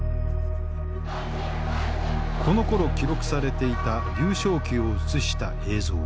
このころ記録されていた劉少奇を映した映像。